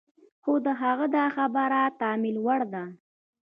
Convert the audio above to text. خو د هغه دا خبره د تأمل وړ ده.